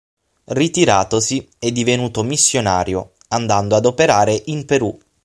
Ritiratosi, è divenuto missionario, andando ad operare in Perù.